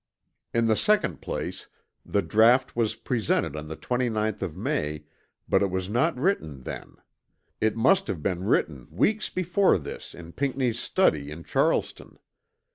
In the second place the draught was presented on the 29th of May, but it was not written then. It must have been written weeks before this in Pinckney's study in Charleston.